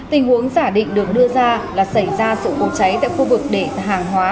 tình huống giả định được đưa ra là xảy ra sự cột cháy tại khu vực đệ hàng hóa